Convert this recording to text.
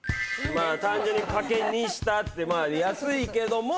まあ単純にかけ２したって安いけども。